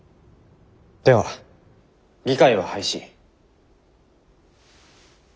では議会は廃止。